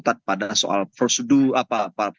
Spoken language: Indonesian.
narmada sudah seperti revolusi sedang antara impertu